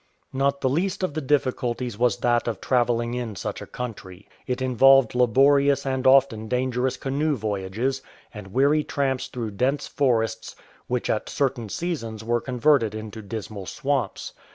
Not the least of the difficulties was that of travelling in such a country. It involved laborious and often dangerous canoe voyages, and weary tramps through dense forests which at certain seasons were converted into dismal swamps.